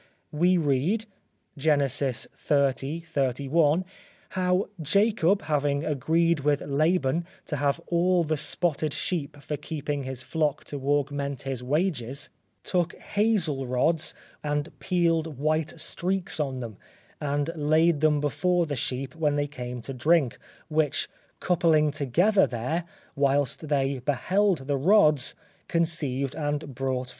We read (Gen. xxx. 31) how Jacob having agreed with Laban to have all the spotted sheep for keeping his flock to augment his wages, took hazel rods and peeled white streaks on them, and laid them before the sheep when they came to drink, which coupling together there, whilst they beheld the rods, conceived and brought forth young.